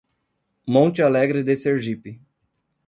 Monte Alegre de Sergipe